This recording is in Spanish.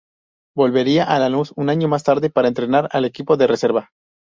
Volvería a Lanús un año más tarde, para entrenar al equipo de reserva.